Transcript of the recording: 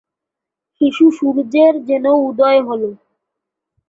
শিশু সূর্যের যেন উদয় হল।